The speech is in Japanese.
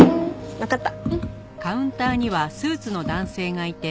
わかった。